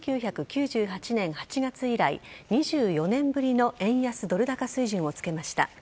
１９９８年８月以来２４年ぶりの円安ドル高水準をつけました。